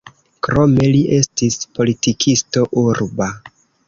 Krome li estis politikisto urba.